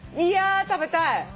いや食べたい。